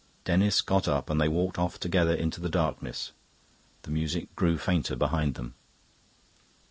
Denis got up, and they walked off together into the darkness. The music grew fainter behind them.